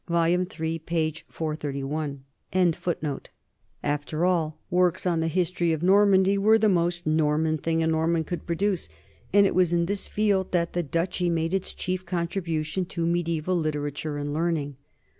l After all, works on the history of Normandy were the most Norman thing a Norman could produce, and it was in this field that the duchy made its chief contribu tion to mediaeval literature and learning.